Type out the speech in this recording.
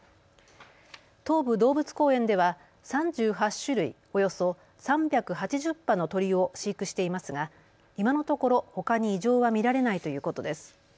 東武動物公園では３８種類およそ３８０羽の鳥を飼育していますが今のところほかに異常は見られないということです。